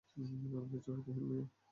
আমি কি চরিত্রহীন মেয়ে?